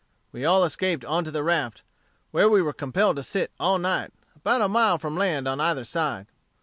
We all escaped on to the raft, where we were compelled to sit all night, about a mile from land on either side.